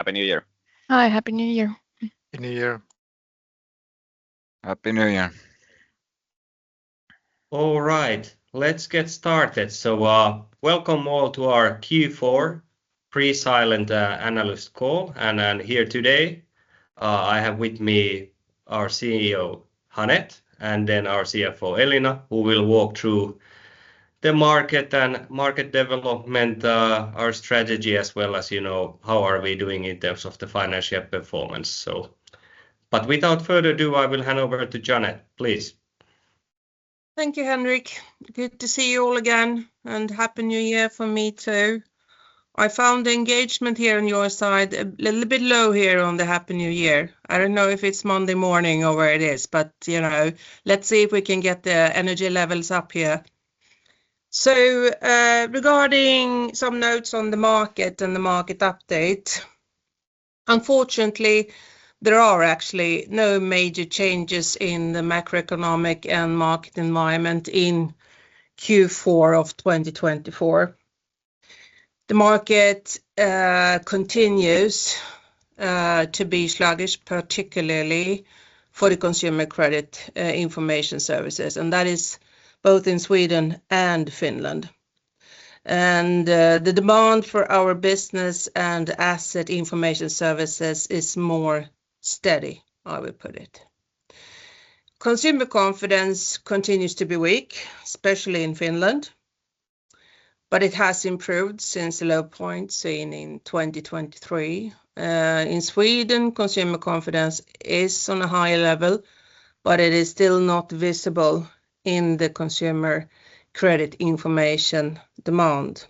Happy New Year. Hi, happy New Year. Happy New Year. Happy New Year. All right, let's get started. Welcome all to our Q4 Pre-Silent Analyst call. Here today, I have with me our CEO Jeanette and then our CFO Elina, who will walk through the market and market development, our strategy, as well as, you know, how are we doing in terms of the financial performance. Without further ado, I will hand over to Jeanette, please. Thank you, Henrik. Good to see you all again, and happy New Year for me too. I found engagement here on your side a little bit low here on the Happy New Year. I don't know if it's Monday morning or where it is, but, you know, let's see if we can get the energy levels up here, so regarding some notes on the market and the market update, unfortunately, there are actually no major changes in the macroeconomic and market environment in Q4 of 2024. The market continues to be sluggish, particularly for the consumer credit information services, and that is both in Sweden and Finland, and the demand for our business and asset information services is more steady, I would put it. Consumer confidence continues to be weak, especially in Finland, but it has improved since the low point seen in 2023. In Sweden, consumer confidence is on a high level, but it is still not visible in the consumer credit information demand.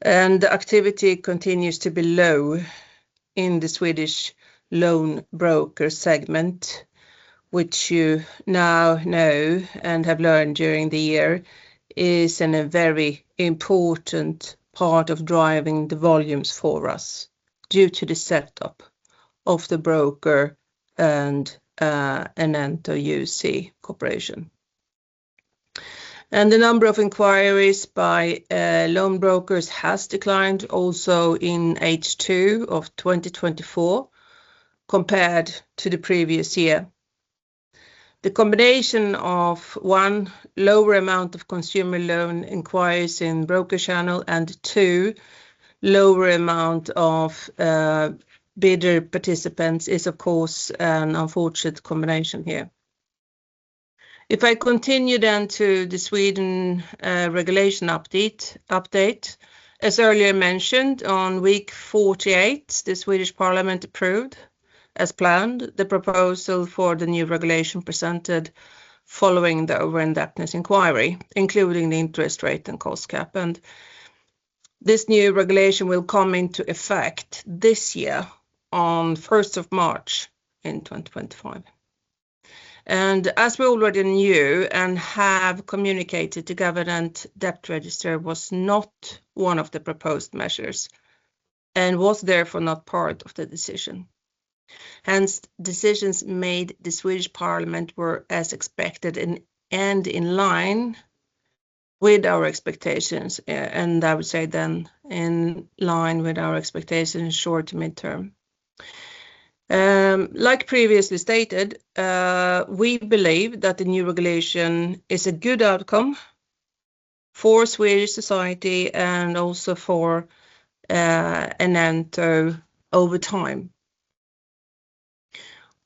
The activity continues to be low in the Swedish loan broker segment, which you now know and have learned during the year is a very important part of driving the volumes for us due to the setup of the broker and Enento UC cooperation. The number of inquiries by loan brokers has declined also in H2 of 2024 compared to the previous year. The combination of one, lower amount of consumer loan inquiries in broker channel, and two, lower amount of bidder participants is, of course, an unfortunate combination here. If I continue then to the Swedish regulation update, as earlier mentioned, in week 48, the Swedish Parliament approved, as planned, the proposal for the new regulation presented following the over-indebtedness inquiry, including the interest rate and cost cap. And this new regulation will come into effect this year on 1st of March in 2025. And as we already knew and have communicated, the government debt register was not one of the proposed measures and was therefore not part of the decision. Hence, decisions made by the Swedish Parliament were, as expected, and in line with our expectations, and I would say then in line with our expectations short- to medium-term. Like previously stated, we believe that the new regulation is a good outcome for Swedish society and also for Enento over time.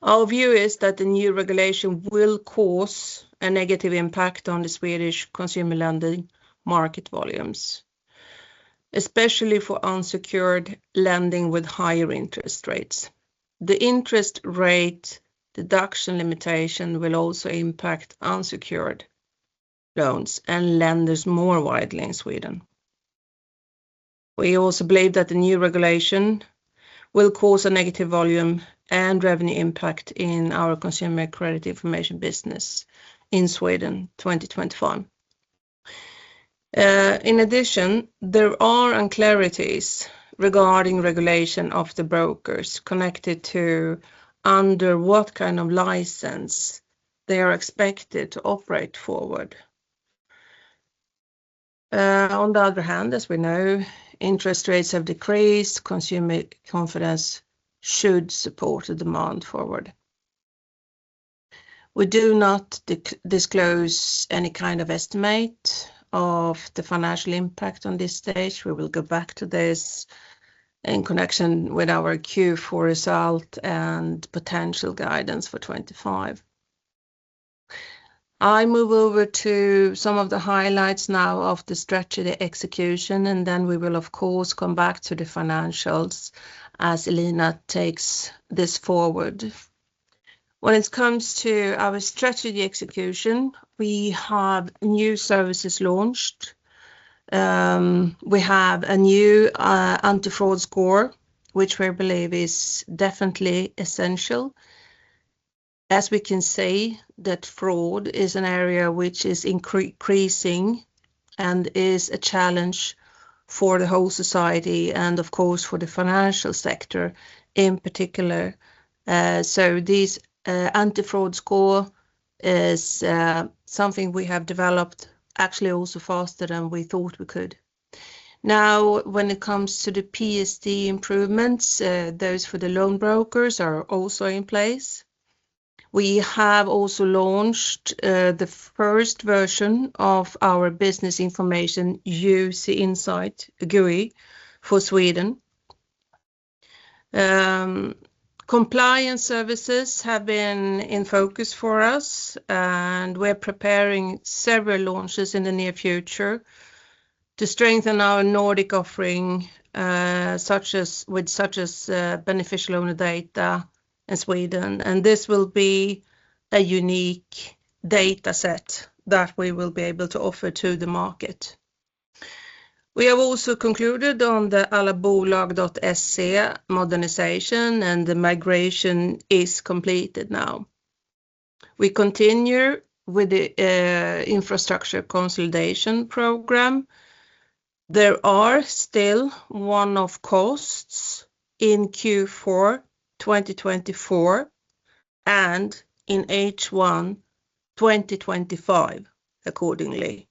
Our view is that the new regulation will cause a negative impact on the Swedish consumer lending market volumes, especially for unsecured lending with higher interest rates. The interest rate deduction limitation will also impact unsecured loans and lenders more widely in Sweden. We also believe that the new regulation will cause a negative volume and revenue impact in our consumer credit information business in Sweden 2025. In addition, there are uncertainties regarding regulation of the brokers connected to under what kind of license they are expected to operate forward. On the other hand, as we know, interest rates have decreased. Consumer confidence should support the demand forward. We do not disclose any kind of estimate of the financial impact on this stage. We will go back to this in connection with our Q4 result and potential guidance for 25. I move over to some of the highlights now of the strategy execution, and then we will, of course, come back to the financials as Elina takes this forward. When it comes to our strategy execution, we have new services launched. We have a new Anti-fraud score, which we believe is definitely essential. As we can see, that fraud is an area which is increasing and is a challenge for the whole society and, of course, for the financial sector in particular. So this Anti-fraud score is something we have developed actually also faster than we thought we could. Now, when it comes to the PSD improvements, those for the loan brokers are also in place. We have also launched the first version of our business information UC Insight GUI for Sweden. Compliance services have been in focus for us, and we're preparing several launches in the near future to strengthen our Nordic offering, such as beneficial owner data in Sweden. This will be a unique data set that we will be able to offer to the market. We have also concluded on the allabolag.se modernization, and the migration is completed now. We continue with the infrastructure consolidation program. There are still one-off costs in Q4 2024 and in H1 2025 accordingly.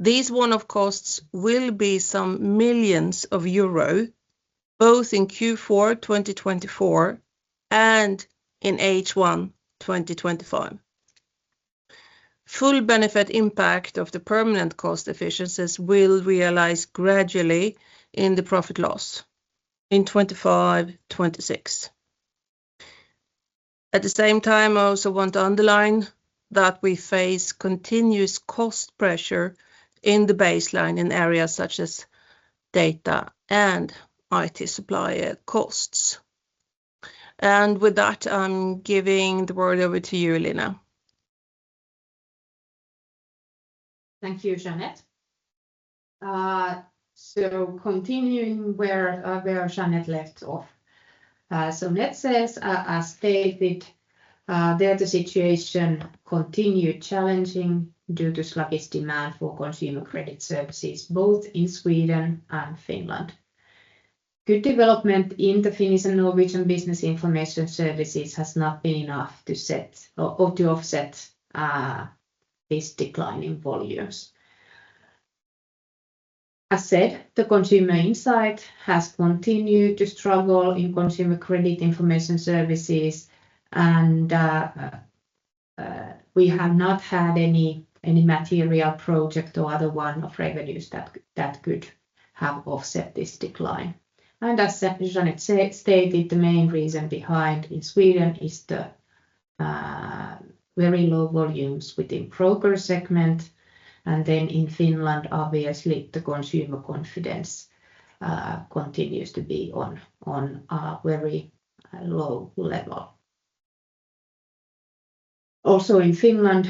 These one-off costs will be some millions of euros, both in Q4 2024 and in H1 2025. Full benefit impact of the permanent cost efficiencies will realize gradually in the profit and loss in 2025-2026. At the same time, I also want to underline that we face continuous cost pressure in the baseline in areas such as data and IT supplier costs. With that, I'm giving the word over to you, Elina. Thank you, Jeanette. Continuing where Jeanette left off, net sales, as stated, the situation continues challenging due to sluggish demand for consumer credit services both in Sweden and Finland. Good development in the Finnish and Norwegian business information services has not been enough to offset this decline in volumes. As said, the consumer insight has continued to struggle in consumer credit information services, and we have not had any material project or other one-off revenues that could have offset this decline. As Jeanette stated, the main reason behind in Sweden is the very low volumes within broker segment, and then in Finland, obviously, the consumer confidence continues to be on a very low level. Also in Finland,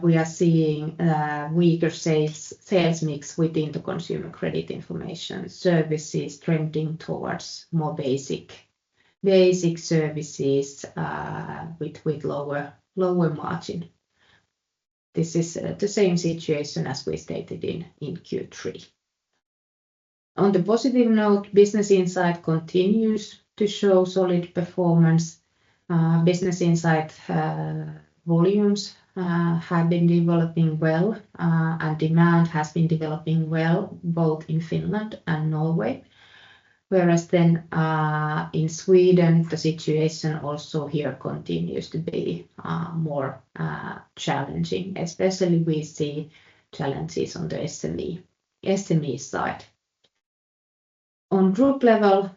we are seeing a weaker sales mix within the consumer credit information services trending towards more basic services with lower margin. This is the same situation as we stated in Q3. On the positive note, Business Insight continues to show solid performance. Business Insight volumes have been developing well, and demand has been developing well both in Finland and Norway, whereas then in Sweden, the situation also here continues to be more challenging, especially we see challenges on the SME side. On group level,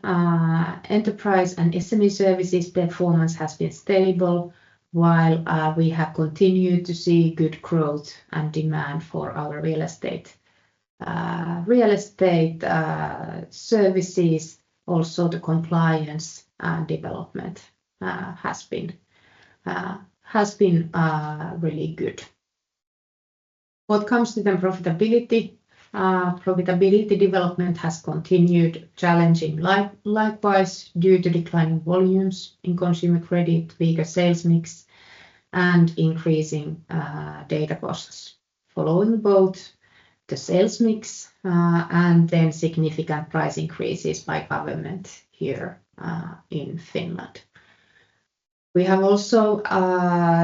enterprise and SME services performance has been stable, while we have continued to see good growth and demand for our real estate services. Also, the compliance development has been really good. What comes to then profitability, profitability development has continued challenging likewise due to declining volumes in consumer credit, weaker sales mix, and increasing data costs following both the sales mix and then significant price increases by government here in Finland. We have also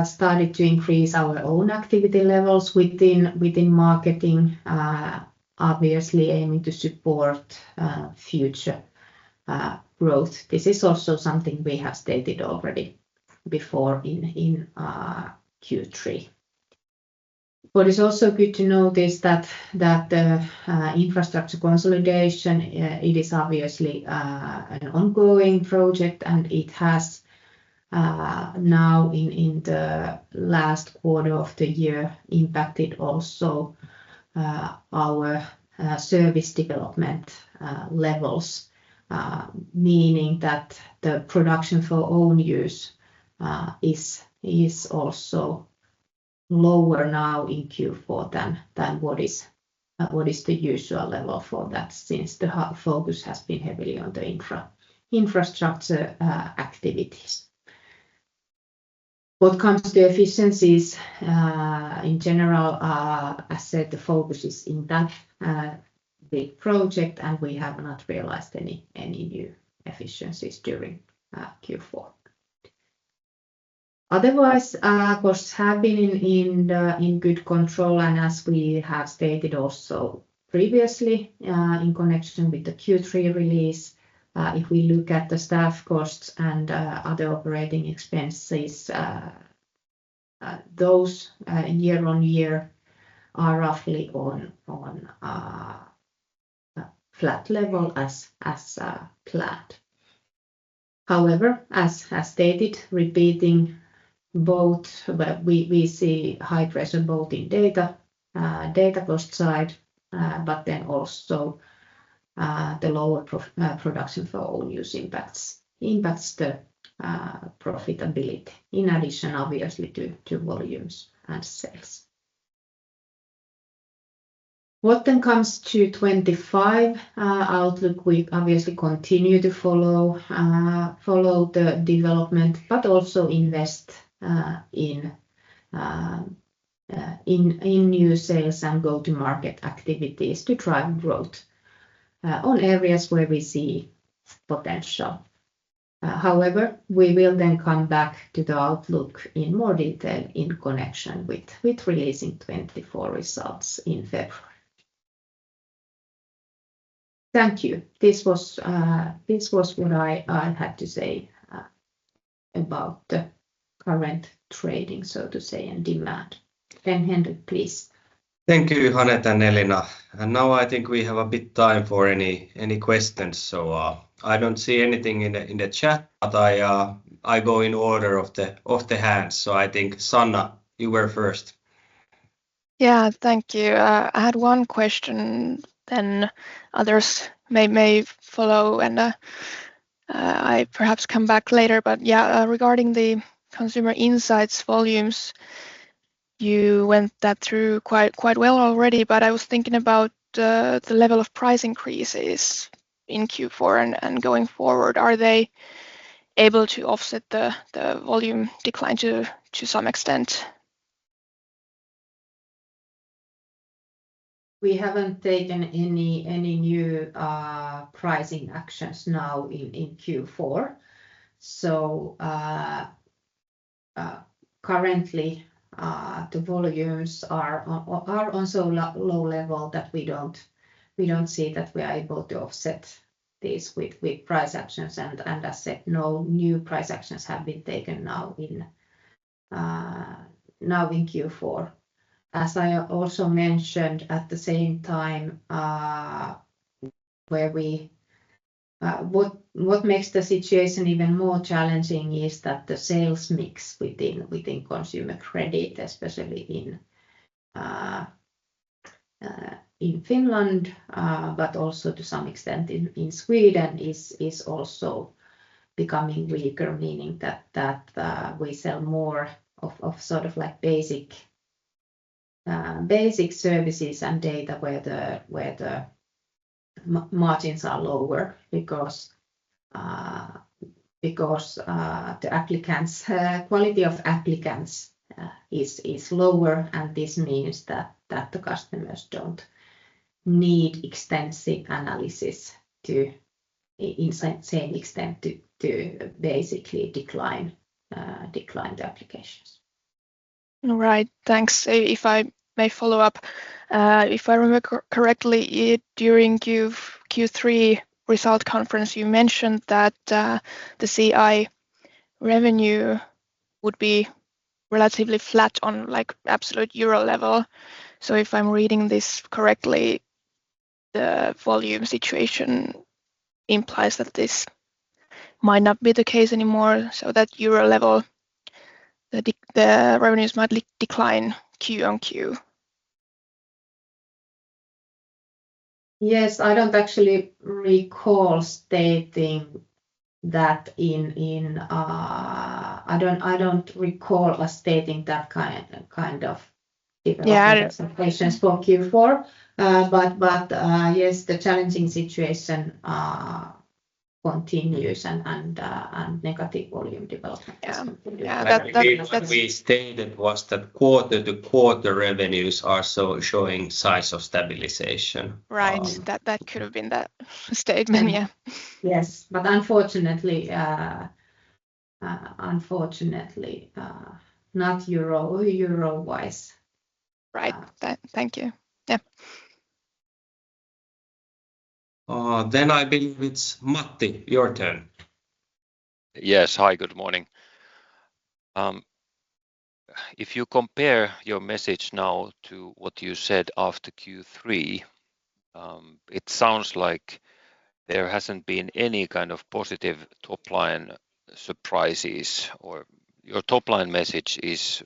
started to increase our own activity levels within marketing, obviously aiming to support future growth. This is also something we have stated already before in Q3. What is also good to note is that the infrastructure consolidation, it is obviously an ongoing project, and it has now in the last quarter of the year impacted also our service development levels, meaning that the production for own use is also lower now in Q4 than what is the usual level for that since the focus has been heavily on the infrastructure activities. What comes to efficiencies in general, as said, the focus is in that big project, and we have not realized any new efficiencies during Q4. Otherwise, costs have been in good control, and as we have stated also previously in connection with the Q3 release, if we look at the staff costs and other operating expenses, those year on year are roughly on flat level as planned. However, as stated, repeating both, we see high pressure both in data cost side, but then also the lower production for own use impacts the profitability in addition, obviously, to volumes and sales. What then comes to 2025 outlook, we obviously continue to follow the development, but also invest in new sales and go-to-market activities to drive growth on areas where we see potential. However, we will then come back to the outlook in more detail in connection with releasing 2024 results in February. Thank you. This was what I had to say about the current trading, so to say, and demand. Henrik, please. Thank you, Jeanette and Elina, and now I think we have a bit of time for any questions. So I don't see anything in the chat, but I go in order of the hands, so I think Sanna, you were first. Yeah, thank you. I had one question, then others may follow, and I perhaps come back later. But yeah, regarding the consumer insights volumes, you went through quite well already, but I was thinking about the level of price increases in Q4 and going forward. Are they able to offset the volume decline to some extent? We haven't taken any new pricing actions now in Q4. So currently, the volumes are on so low level that we don't see that we are able to offset this with price actions. And as said, no new price actions have been taken now in Q4. As I also mentioned, at the same time, what makes the situation even more challenging is that the sales mix within consumer credit, especially in Finland, but also to some extent in Sweden, is also becoming weaker, meaning that we sell more of sort of basic services and data where the margins are lower because the quality of applicants is lower. And this means that the customers don't need extensive analysis to, in the same extent, to basically decline the applications. All right. Thanks. If I may follow up, if I remember correctly, during Q3 results conference, you mentioned that the CI revenue would be relatively flat on absolute euro level. So if I'm reading this correctly, the volume situation implies that this might not be the case anymore. So that euro level, the revenues might decline Q on Q. Yes. I don't actually recall stating that kind of development for Q4. But yes, the challenging situation continues and negative volume development. What we stated was that quarter to quarter revenues are showing signs of stabilization. Right. That could have been the statement, yeah. Yes, but unfortunately, not euro wise. Right. Thank you. Yeah. Then I believe it's Matti, your turn. Yes. Hi, good morning. If you compare your message now to what you said after Q3, it sounds like there hasn't been any kind of positive top-line surprises, or your top-line message is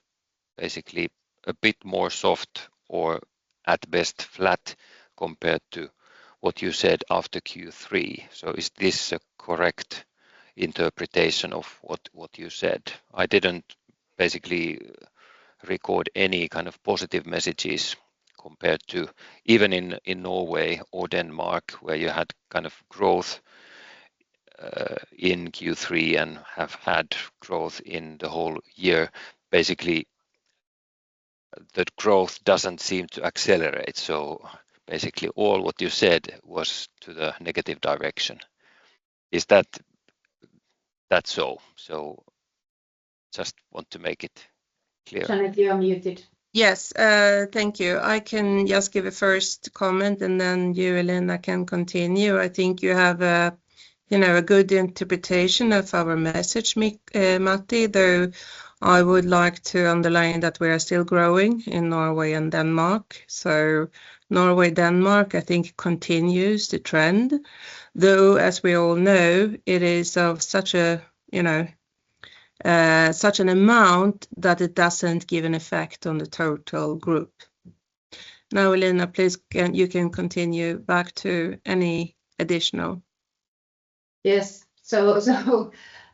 basically a bit more soft or at best flat compared to what you said after Q3. So is this a correct interpretation of what you said? I didn't basically record any kind of positive messages compared to even in Norway or Denmark, where you had kind of growth in Q3 and have had growth in the whole year. Basically, that growth doesn't seem to accelerate. So basically, all what you said was to the negative direction. Is that so? So just want to make it clear. Jeanette, you're muted. Yes. Thank you. I can just give a first comment, and then you, Elina, can continue. I think you have a good interpretation of our message, Matti, though I would like to underline that we are still growing in Norway and Denmark. So Norway, Denmark, I think continues the trend, though as we all know, it is of such an amount that it doesn't give an effect on the total group. Now, Elina, please, you can continue back to any additional. Yes.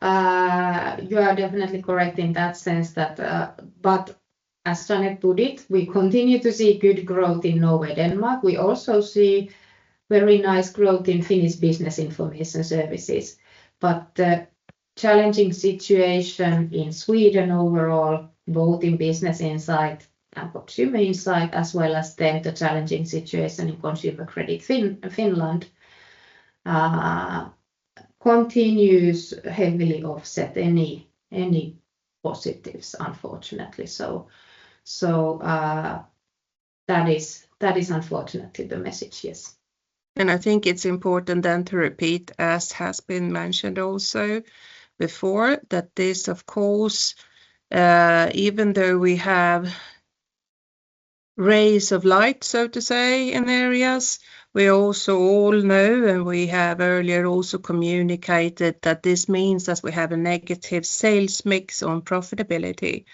So you are definitely correct in that sense. But as Jeanette put it, we continue to see good growth in Norway, Denmark. We also see very nice growth in Finnish business information services. But the challenging situation in Sweden overall, both in Business Insight and Consumer Insight, as well as then the challenging situation in consumer credit in Finland, continues heavily offset any positives, unfortunately. So that is unfortunately the message, yes. And I think it's important then to repeat, as has been mentioned also before, that this, of course, even though we have rays of light, so to say, in areas, we also all know, and we have earlier also communicated that this means that we have a negative sales mix on profitability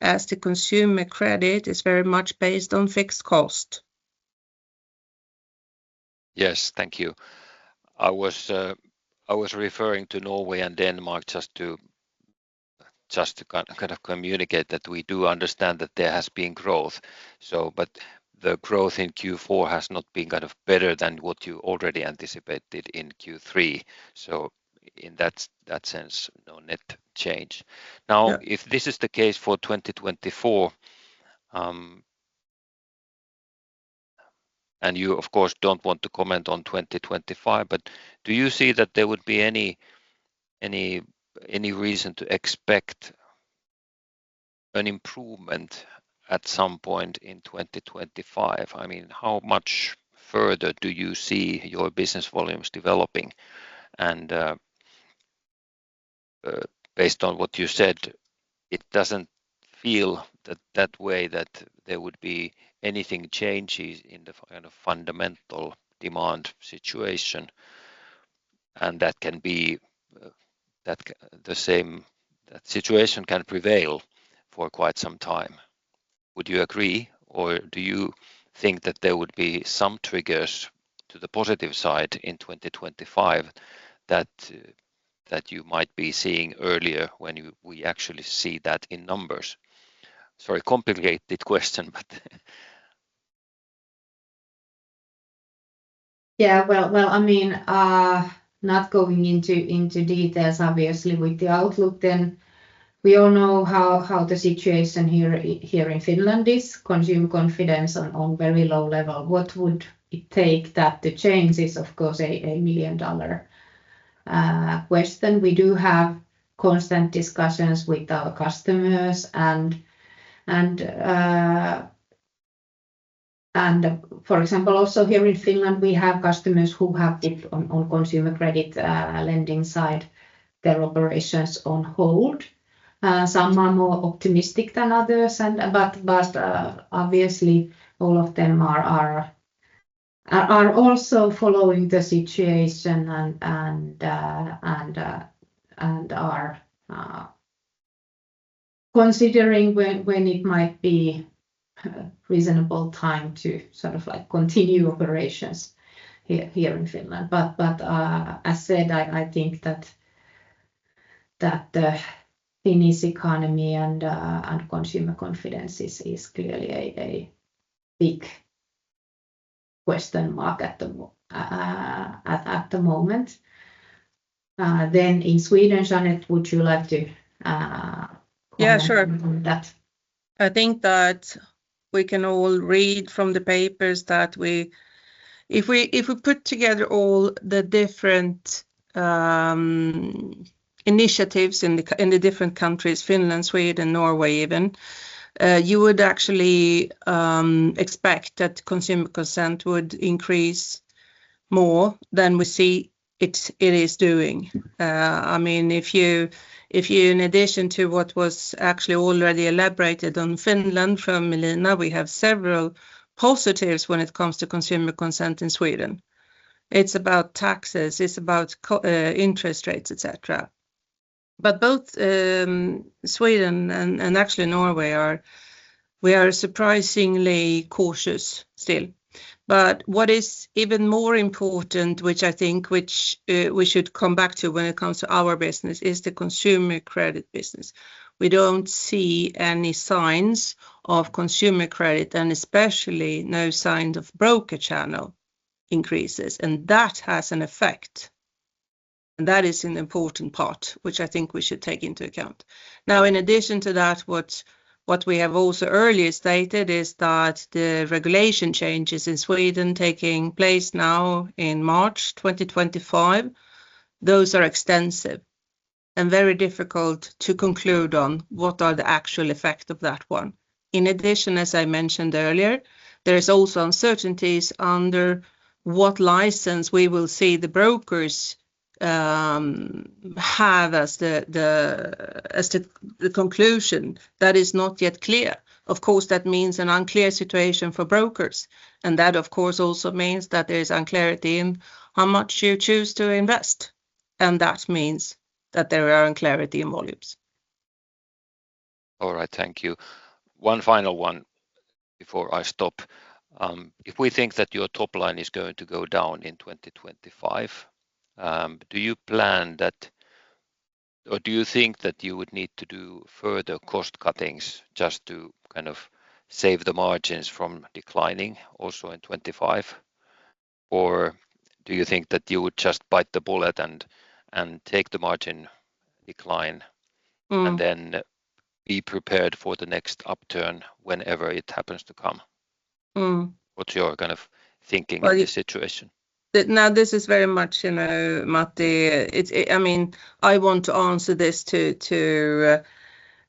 as the consumer credit is very much based on fixed cost. Yes. Thank you. I was referring to Norway and Denmark just to kind of communicate that we do understand that there has been growth. But the growth in Q4 has not been kind of better than what you already anticipated in Q3. So in that sense, no net change. Now, if this is the case for 2024, and you, of course, don't want to comment on 2025, but do you see that there would be any reason to expect an improvement at some point in 2025? I mean, how much further do you see your business volumes developing? And based on what you said, it doesn't feel that that way that there would be anything changing in the kind of fundamental demand situation. And that can be that the same situation can prevail for quite some time. Would you agree, or do you think that there would be some triggers to the positive side in 2025 that you might be seeing earlier when we actually see that in numbers? Sorry, complicated question, but. Yeah. Well, I mean, not going into details, obviously, with the outlook, then we all know how the situation here in Finland is. Consumer confidence on very low level. What would it take that to change is, of course, a million-dollar question. We do have constant discussions with our customers. And for example, also here in Finland, we have customers who have on consumer credit lending side, their operations on hold. Some are more optimistic than others, but obviously, all of them are also following the situation and are considering when it might be a reasonable time to sort of continue operations here in Finland. But as said, I think that the Finnish economy and consumer confidence is clearly a big question mark at the moment. Then in Sweden, Jeanette, would you like to comment on that? Yeah, sure. I think that we can all read from the papers that if we put together all the different initiatives in the different countries, Finland, Sweden, Norway even, you would actually expect that consumer consent would increase more than we see it is doing. I mean, if you, in addition to what was actually already elaborated on Finland from Elina, we have several positives when it comes to consumer consent in Sweden. It's about taxes, it's about interest rates, etc. But both Sweden and actually Norway, we are surprisingly cautious still. But what is even more important, which I think we should come back to when it comes to our business, is the consumer credit business. We don't see any signs of consumer credit, and especially no signs of broker channel increases. And that has an effect. And that is an important part, which I think we should take into account. Now, in addition to that, what we have also earlier stated is that the regulation changes in Sweden taking place now in March 2025, those are extensive and very difficult to conclude on what are the actual effect of that one. In addition, as I mentioned earlier, there are also uncertainties under what license we will see the brokers have as the conclusion. That is not yet clear. Of course, that means an unclear situation for brokers. And that, of course, also means that there is unclarity in how much you choose to invest. And that means that there are unclarity in volumes. All right. Thank you. One final one before I stop. If we think that your top line is going to go down in 2025, do you plan that, or do you think that you would need to do further cost cuttings just to kind of save the margins from declining also in 2025? Or do you think that you would just bite the bullet and take the margin decline and then be prepared for the next upturn whenever it happens to come? What's your kind of thinking of this situation? Now, this is very much, Matti. I mean, I want to answer this in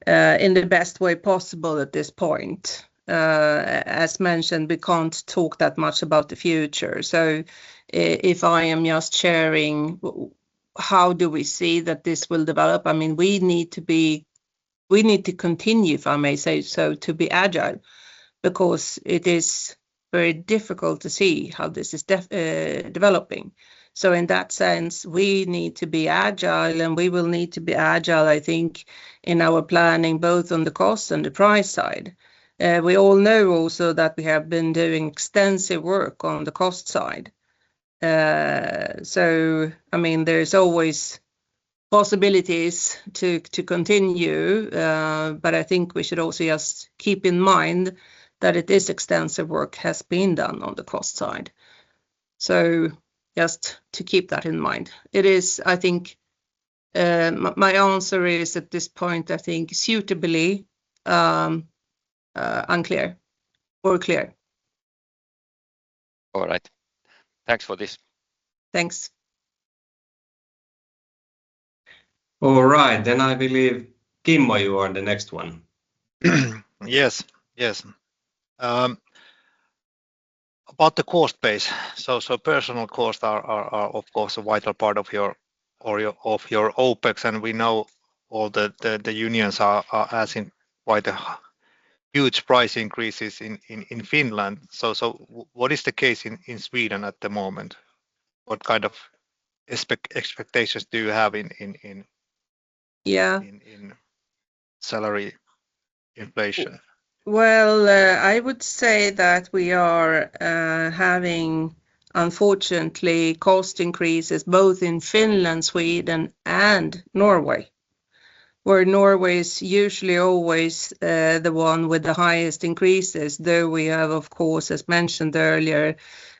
the best way possible at this point. As mentioned, we can't talk that much about the future. So if I am just sharing, how do we see that this will develop? I mean, we need to be, we need to continue, if I may say so, to be agile because it is very difficult to see how this is developing. So in that sense, we need to be agile, and we will need to be agile, I think, in our planning, both on the cost and the price side. We all know also that we have been doing extensive work on the cost side. So I mean, there are always possibilities to continue, but I think we should also just keep in mind that this extensive work has been done on the cost side. So just to keep that in mind. It is, I think, my answer is at this point, I think, suitably unclear or clear. All right. Thanks for this. Thanks. All right. Then I believe Kimmo, you are the next one. Yes. Yes. About the cost base. So personal costs are, of course, a vital part of your OpEx, and we know all the unions are asking quite a huge price increases in Finland. So what is the case in Sweden at the moment? What kind of expectations do you have in salary inflation? I would say that we are having, unfortunately, cost increases both in Finland, Sweden, and Norway, where Norway is usually always the one with the highest increases, though we have, of course, as mentioned earlier,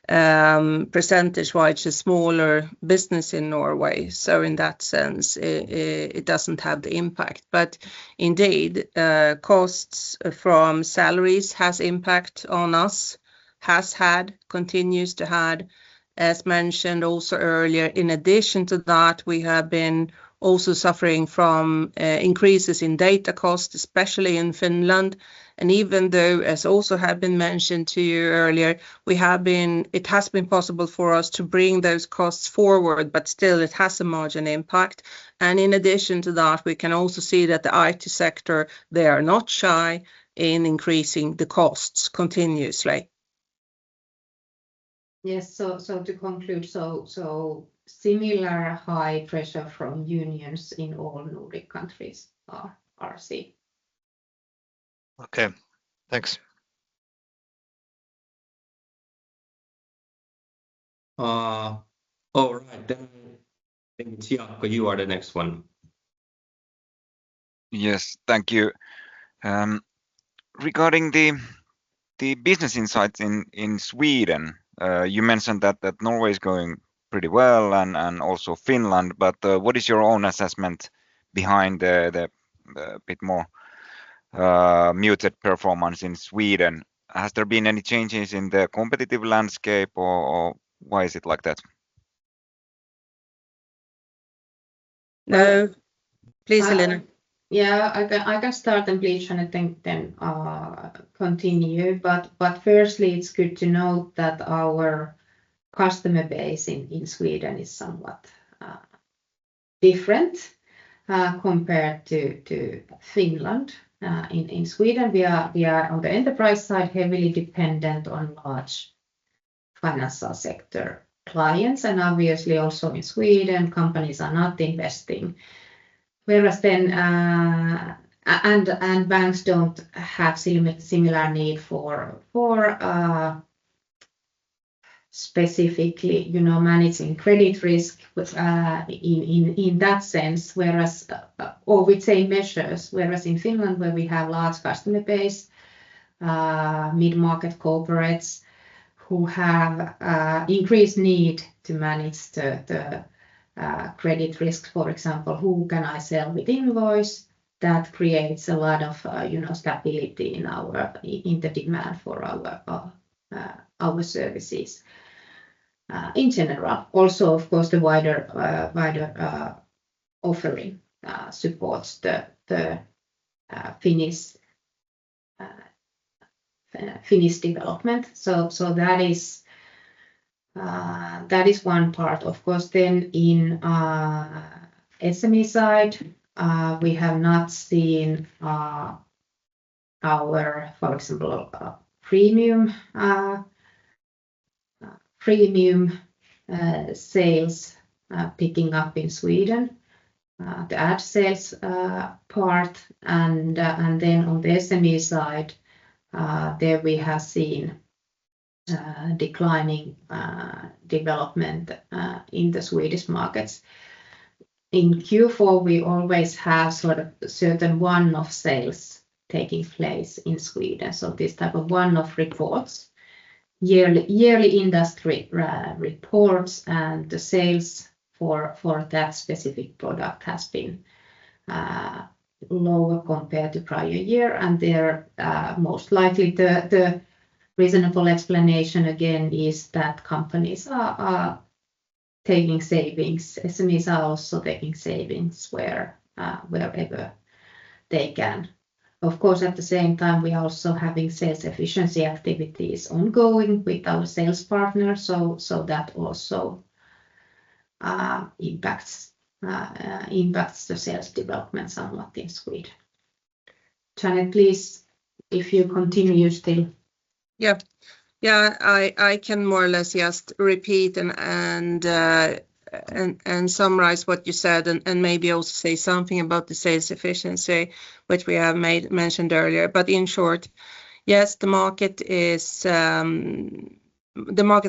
percentage-wise, a smaller business in Norway. So in that sense, it doesn't have the impact. But indeed, costs from salaries have impact on us, have had, continue to have, as mentioned also earlier. In addition to that, we have been also suffering from increases in data costs, especially in Finland. And even though, as also had been mentioned to you earlier, it has been possible for us to bring those costs forward, but still, it has a margin impact. And in addition to that, we can also see that the IT sector, they are not shy in increasing the costs continuously. Yes. To conclude, similar high pressure from unions in all Nordic countries are seen. Okay. Thanks. All right. Then I think, Jaakko, you are the next one. Yes. Thank you. Regarding the business insights in Sweden, you mentioned that Norway is going pretty well and also Finland, but what is your own assessment behind the bit more muted performance in Sweden? Has there been any changes in the competitive landscape, or why is it like that? No. Please, Elina. Yeah. I can start, and please, Jeanette, then continue. But firstly, it's good to note that our customer base in Sweden is somewhat different compared to Finland. In Sweden, we are, on the enterprise side, heavily dependent on large financial sector clients. And obviously, also in Sweden, companies are not investing. And banks don't have similar need for specifically managing credit risk in that sense, or we'd say measures. Whereas in Finland, where we have large customer base, mid-market corporates who have increased need to manage the credit risk, for example, who can I sell with invoice, that creates a lot of stability in the demand for our services in general. Also, of course, the wider offering supports the Finnish development. So that is one part. Of course, then in SME side, we have not seen our, for example, premium sales picking up in Sweden, the ad sales part. And then on the SME side, there we have seen declining development in the Swedish markets. In Q4, we always have sort of certain one-off sales taking place in Sweden. So this type of one-off reports, yearly industry reports, and the sales for that specific product have been lower compared to prior year. And most likely, the reasonable explanation, again, is that companies are taking savings. SMEs are also taking savings wherever they can. Of course, at the same time, we are also having sales efficiency activities ongoing with our sales partners. So that also impacts the sales development somewhat in Sweden. Jeanette, please, if you continue still. Yeah. Yeah. I can more or less just repeat and summarize what you said and maybe also say something about the sales efficiency, which we have mentioned earlier. But in short, yes, the market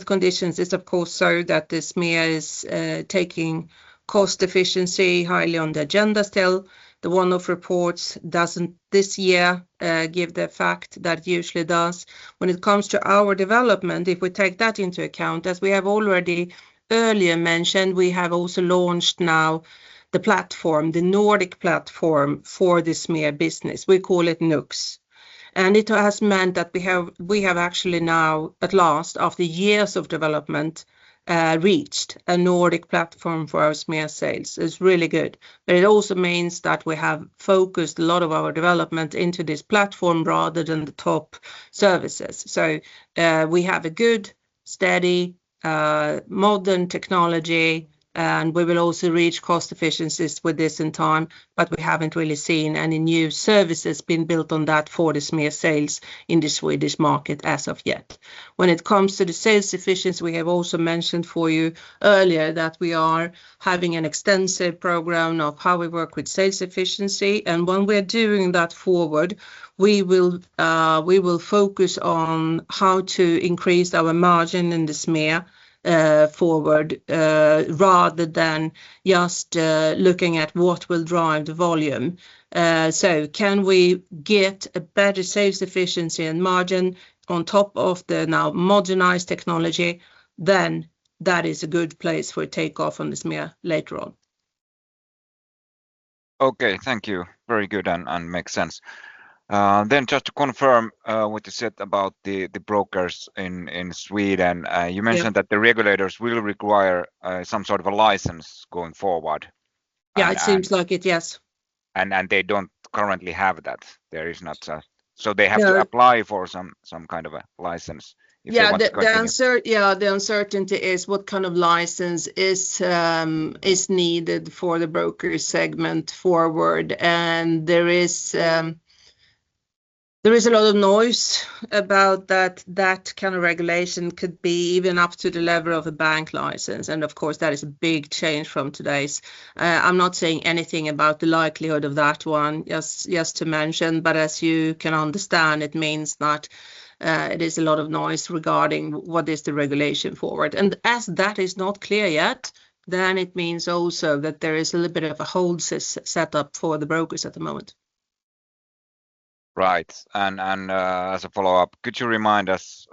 conditions is, of course, so that this SME is taking cost efficiency highly on the agenda still. The one-off costs doesn't this year give the effect that usually does. When it comes to our development, if we take that into account, as we have already earlier mentioned, we have also launched now the platform, the Nordic platform for this SME business. We call it NUX. And it has meant that we have actually now, at last, after years of development, reached a Nordic platform for our SME sales. It's really good. But it also means that we have focused a lot of our development into this platform rather than the top services. We have a good, steady, modern technology, and we will also reach cost efficiencies with this in time. But we haven't really seen any new services being built on that for this business sales in the Swedish market as of yet. When it comes to the sales efficiency, we have also mentioned for you earlier that we are having an extensive program of how we work with sales efficiency. And when we are doing that forward, we will focus on how to increase our margin in this business forward rather than just looking at what will drive the volume. So can we get a better sales efficiency and margin on top of the now modernized technology, then that is a good place for takeoff on this business later on. Okay. Thank you. Very good and makes sense. Then just to confirm what you said about the brokers in Sweden, you mentioned that the regulators will require some sort of a license going forward. Yeah, it seems like it, yes. They don't currently have that. There is not. So they have to apply for some kind of a license if they want to go. Yeah. The uncertainty is what kind of license is needed for the broker segment forward. And there is a lot of noise about that kind of regulation could be even up to the level of a bank license. And of course, that is a big change from today's. I'm not saying anything about the likelihood of that one, just to mention. But as you can understand, it means that it is a lot of noise regarding what is the regulation forward. And as that is not clear yet, then it means also that there is a little bit of a hold set up for the brokers at the moment. Right. And as a follow-up, could you remind us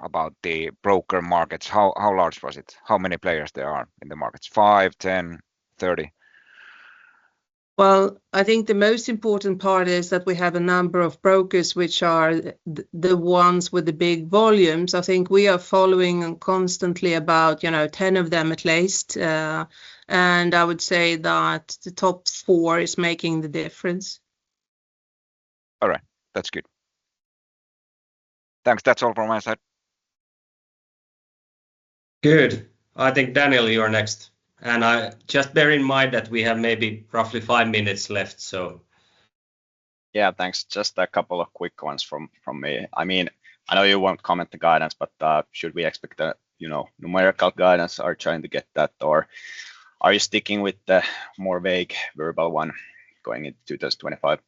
about the broker markets? How large was it? How many players there are in the markets? five, 10, 30? I think the most important part is that we have a number of brokers which are the ones with the big volumes. I think we are following constantly about 10 of them at least. I would say that the top four is making the difference. All right. That's good. Thanks. That's all from my side. Good. I think, Daniel, you are next. And just bear in mind that we have maybe roughly five minutes left, so. Yeah. Thanks. Just a couple of quick ones from me. I mean, I know you won't comment the guidance, but should we expect a numerical guidance or trying to get that, or are you sticking with the more vague verbal one going into 2025?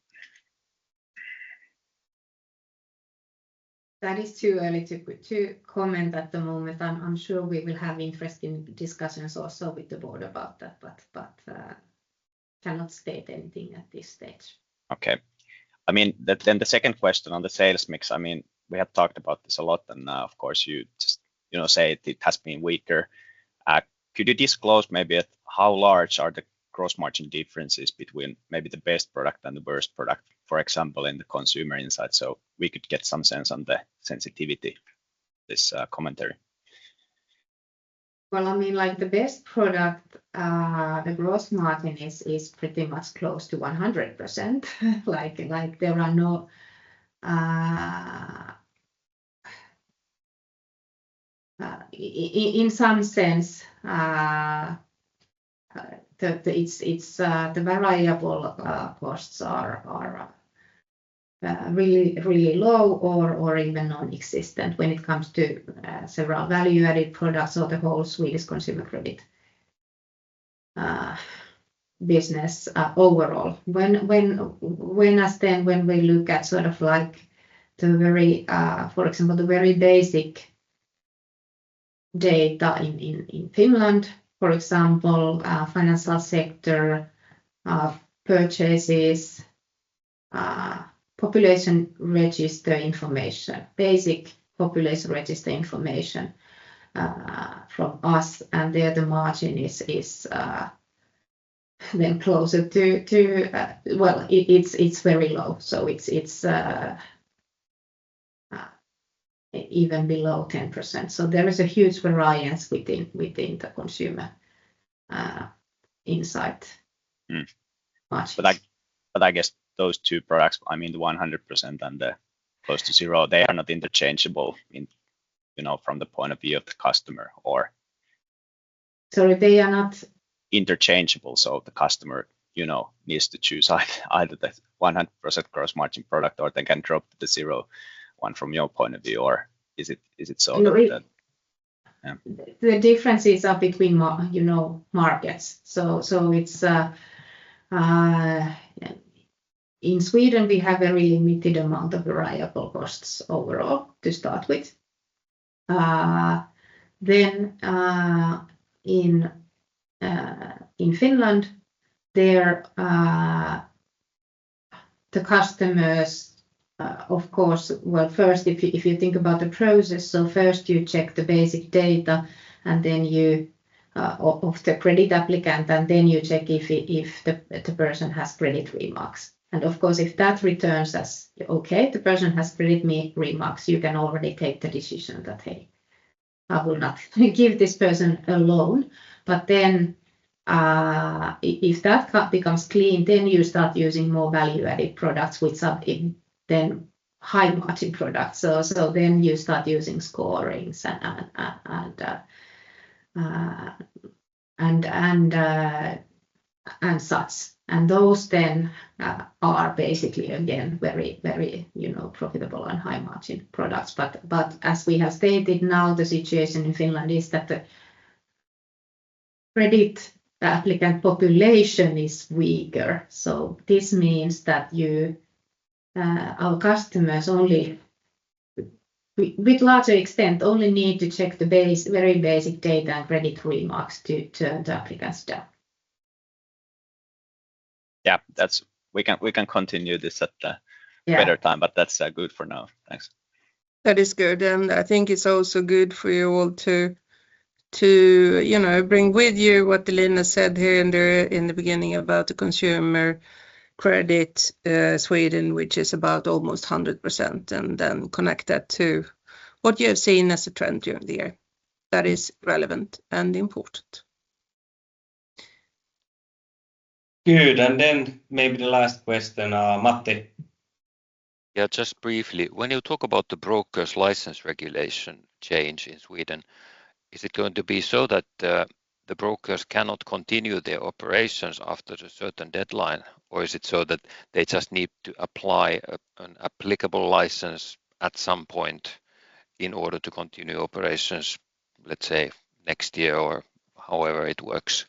That is too early to comment at the moment. I'm sure we will have interesting discussions also with the board about that, but cannot state anything at this stage. Okay. I mean, then the second question on the sales mix, I mean, we have talked about this a lot, and of course, you just say it has been weaker. Could you disclose maybe how large are the gross margin differences between maybe the best product and the worst product, for example, in the Consumer Insight? So we could get some sense on the sensitivity, this commentary. I mean, the best product, the gross margin is pretty much close to 100%. There are no, in some sense, the variable costs are really low or even non-existent when it comes to several value-added products or the whole Swedish consumer credit business overall. When we look at sort of, for example, the very basic data in Finland, for example, financial sector purchases, population register information, basic population register information from us, and there the margin is then closer to, well, it's very low. So it's even below 10%. So there is a huge variance within the consumer insight margins. But I guess those two products, I mean, the 100% and the close to zero, they are not interchangeable from the point of view of the customer or. Sorry, they are not. Interchangeable. So the customer needs to choose either the 100% gross margin product or they can drop the zero one from your point of view, or is it so that? The differences are between markets. So in Sweden, we have a really limited amount of variable costs overall to start with. Then in Finland, the customers, of course, well, first, if you think about the process, so first you check the basic data of the credit applicant, and then you check if the person has credit remarks. And of course, if that returns as, "Okay, the person has credit remarks," you can already take the decision that, "Hey, I will not give this person a loan." But then if that becomes clean, then you start using more value-added products with some high-margin products. So then you start using scorings and such. And those then are basically, again, very profitable and high-margin products. But as we have stated, now the situation in Finland is that the credit applicant population is weaker. So this means that our customers only, to a larger extent, only need to check the very basic data and credit remarks to turn the applicants down. Yeah. We can continue this at a better time, but that's good for now. Thanks. That is good. And I think it's also good for you all to bring with you what Elina said here in the beginning about the consumer credit Sweden, which is about almost 100%, and then connect that to what you have seen as a trend during the year that is relevant and important. Good. And then maybe the last question, Matti. Yeah, just briefly. When you talk about the brokers' license regulation change in Sweden, is it going to be so that the brokers cannot continue their operations after a certain deadline, or is it so that they just need to apply an applicable license at some point in order to continue operations, let's say, next year or however it works?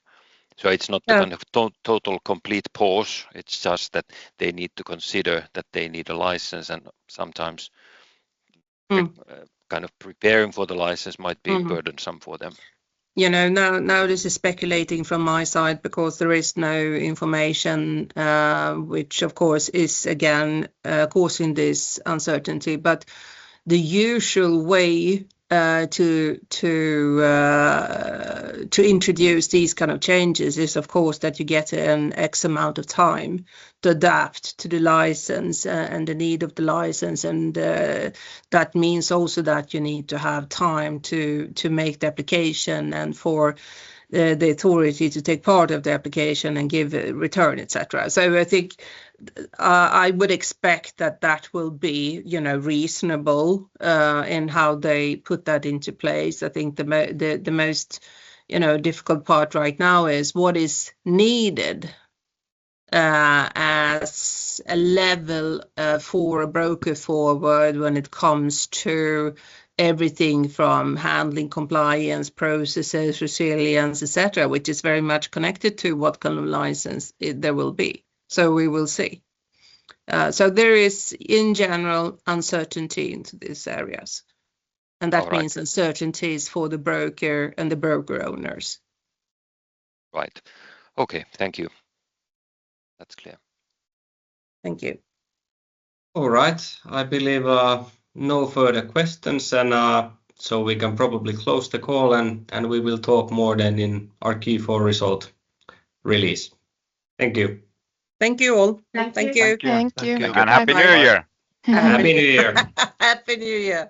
So it's not kind of total complete pause. It's just that they need to consider that they need a license, and sometimes kind of preparing for the license might be burdensome for them. You know, now this is speculating from my side because there is no information, which of course is, again, causing this uncertainty. But the usual way to introduce these kind of changes is, of course, that you get an X amount of time to adapt to the license and the need of the license. And that means also that you need to have time to make the application and for the authority to take part of the application and give a return, etc. So I think I would expect that that will be reasonable in how they put that into place. I think the most difficult part right now is what is needed as a level for a broker going forward when it comes to everything from handling compliance processes, resilience, etc., which is very much connected to what kind of license there will be. So we will see. So there is, in general, uncertainty into these areas. And that means uncertainties for the broker and the broker owners. Right. Okay. Thank you. That's clear. Thank you. All right. I believe no further questions. And so we can probably close the call, and we will talk more then in our Q4 result release. Thank you. Thank you all. Thank you. Thank you. Thank you. Happy New Year. Happy New Year. Happy New Year.